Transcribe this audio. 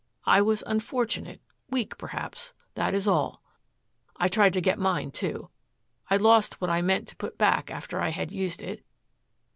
I was unfortunate, weak perhaps. That is all. I tried to get mine, too. I lost what I meant to put back after I had used it.